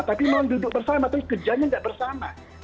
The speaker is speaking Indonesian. tapi mau duduk bersama tapi kerjanya tidak bersama